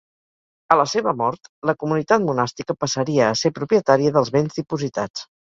A la seva mort, la comunitat monàstica passaria a ser propietària dels béns dipositats.